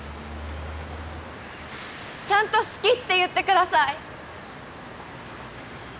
ちゃんと「好き」って言ってください。